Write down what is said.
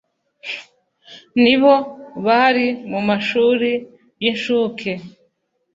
nibo bari mumashuri y'inshuke